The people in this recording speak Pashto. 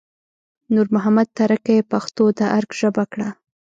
نور محمد تره کي پښتو د ارګ ژبه کړه